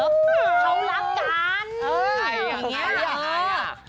เขารับกัน